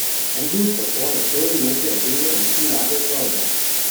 Andrews was born as Joey Murcia Junior in Key Largo, Florida.